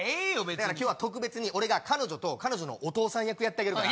今日は特別に俺が彼女と彼女のお父さん役やるから。